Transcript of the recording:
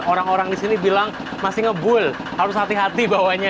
orang orang disini bilang masih ngebul harus hati hati bawanya